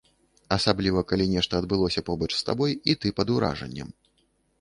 Асабліва калі нешта адбылося побач з табой, і ты пад уражаннем.